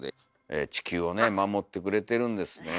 地球をね守ってくれてるんですねえ。